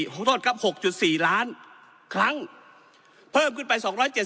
ขอโทษครับ๖๔ล้านครั้งเพิ่มขึ้นไป๒๗๐